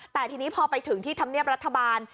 แต่ทีนี้พอไปถึงที่ธรรมเนียบรัฐบาล